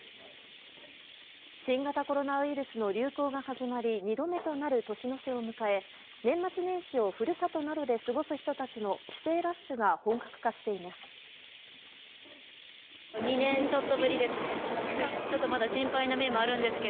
新型コロナウイルスの流行が始まり、２度目となる年の瀬を迎え、年末年始をふるさとなどで過ごす人たちの帰省ラッシュが本格化し２年ちょっとぶりですね。